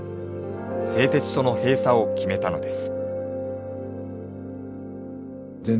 製鉄所の閉鎖を決めたのです。